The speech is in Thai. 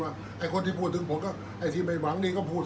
อันไหนที่มันไม่จริงแล้วอาจารย์อยากพูด